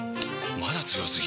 まだ強すぎ？！